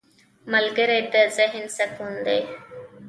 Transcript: ملګری د ذهن سکون دی